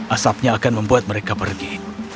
asapnya akan membuat mereka pergi